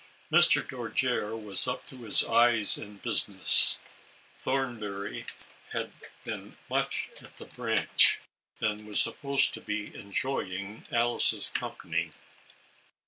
Mr. Dojere was up to his eyes in business. Thornbury had been much at the Branch, and was supposed to be enjoying Alice's company.